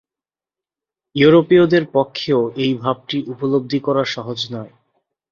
ইউরোপীয়দের পক্ষেও এই ভাবটি উপলব্ধি করা সহজ নয়।